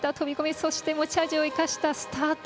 そして、持ち味を生かしたスタート。